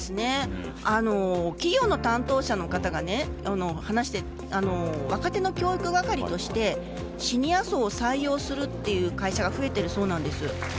企業の担当者の方が話していたのは若手の教育係としてシニア層を採用するという会社が増えているそうなんです。